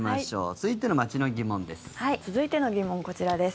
続いての街の疑問です。